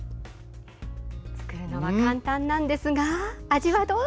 作るのは簡単なんですが味はどう？